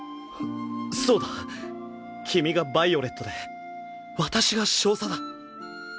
そうだ君がヴァイオレットで私が少佐だ。